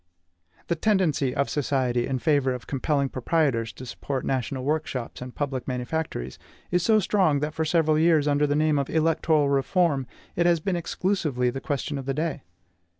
The tendency of society in favor of compelling proprietors to support national workshops and public manufactories is so strong that for several years, under the name of ELECTORAL REFORM, it has been exclusively the question of the day.